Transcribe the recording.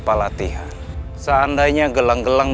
sampai jumpa di video selanjutnya